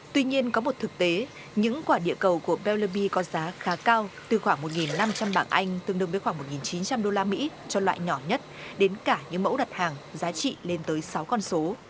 tuy nhiên có một thực tế những quả địa cầu của belary có giá khá cao từ khoảng một năm trăm linh bảng anh tương đương với khoảng một chín trăm linh usd cho loại nhỏ nhất đến cả những mẫu đặt hàng giá trị lên tới sáu con số